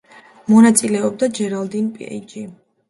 მონაწილეობდა ჯერალდინ პეიჯი.